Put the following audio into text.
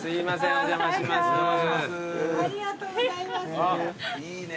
ありがとうございます。